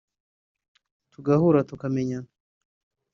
tugahura tukamenyana